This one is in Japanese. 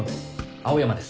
青山です。